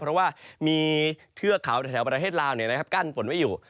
เพราะว่ามีเทือกเขาในแถวประเทศลาวเนี่ยนะครับกั้นฝนไว้อยู่